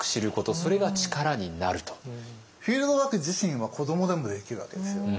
フィールドワーク自身は子どもでもできるわけですよ。